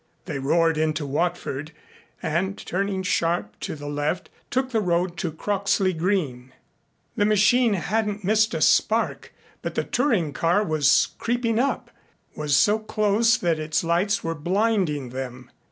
They roared into Watford and, turning sharp to the left, took the road to Croxley Green. The machine hadn't missed a spark but the touring car was creeping up was so close that its lights were blinding them.